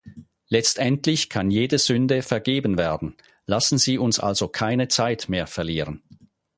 Letztendlich kann jede Sünde vergeben werden, lassen Sie uns also keine Zeit mehr verlieren.